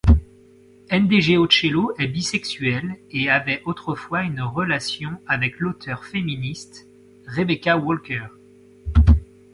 Ndegeocello est bisexuelle et avait autrefois une relation avec l'auteure féministe Rebecca Walker.